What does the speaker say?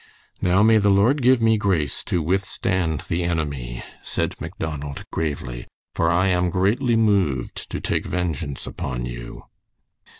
"Now may the Lord give me grace to withstand the enemy," said Macdonald, gravely, "for I am greatly moved to take vengeance upon you."